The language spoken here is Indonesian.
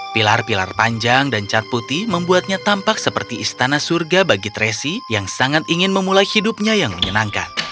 pilar pilar panjang dan cat putih membuatnya tampak seperti istana surga bagi tracy yang sangat ingin memulai hidupnya yang menyenangkan